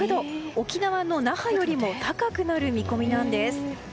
沖縄の那覇よりも高くなる見込みなんです。